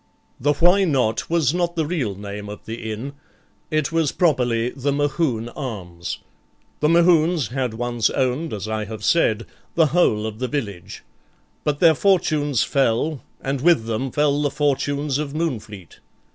The Why Not? was not the real name of the inn; it was properly the Mohune Arms. The Mohunes had once owned, as I have said, the whole of the village; but their fortunes fell, and with them fell the fortunes of Moonfleet.